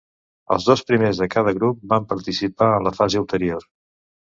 Els dos primers de cada grup van participar en la fase ulterior.